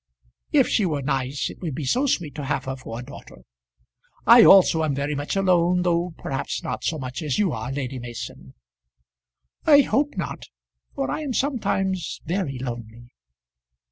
"If she were nice it would be so sweet to have her for a daughter. I also am very much alone, though perhaps not so much as you are, Lady Mason." "I hope not for I am sometimes very lonely."